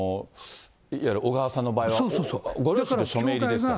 いわゆる小川さんの場合は、ご両親の署名入りですから。